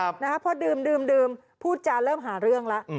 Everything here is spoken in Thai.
เพราะดื่มพูดจานเริ่มหาเรื่องละ